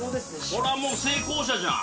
これはもう、成功者じゃん。